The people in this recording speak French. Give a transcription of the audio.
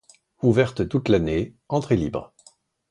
Ouverte toute l'année, entrée libre.